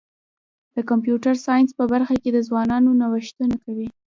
د کمپیوټر ساینس په برخه کي ځوانان نوښتونه کوي.